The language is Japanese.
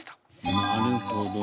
なるほどね。